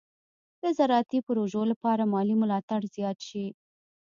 د زراعتي پروژو لپاره مالي ملاتړ زیات شي.